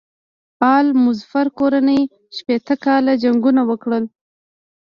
آل مظفر کورنۍ شپېته کاله جنګونه وکړل.